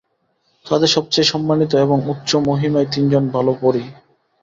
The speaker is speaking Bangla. তাদের সবচেয়ে সম্মানিত এবং উচ্চ মহিমাময়, তিনজন ভালো পরী।